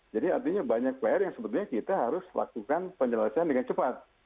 jadi artinya banyak player yang sebetulnya kita harus lakukan penjelasan dengan cepat